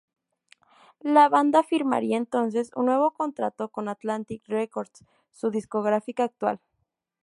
La banda firmaría entonces un nuevo contrato con Atlantic Records, su discográfica actual.